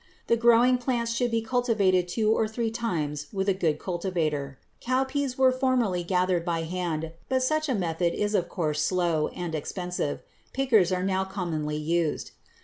The growing plants should be cultivated two or three times with a good cultivator. Cowpeas were formerly gathered by hand, but such a method is of course slow and expensive. Pickers are now commonly used.